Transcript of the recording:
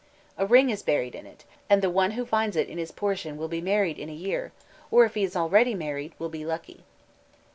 A ring is buried in it, and the one who finds it in his portion will be married in a year, or if he is already married, will be lucky.